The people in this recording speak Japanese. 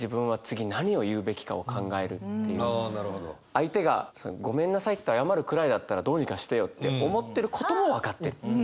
相手が「ごめんなさい」って謝るくらいだったらどうにかしてよって思ってることも分かってる。